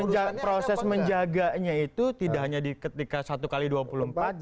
ya proses menjaganya itu tidak hanya di ketika satu x dua puluh empat jam